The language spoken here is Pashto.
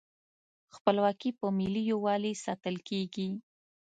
خپلواکي په ملي یووالي ساتل کیږي.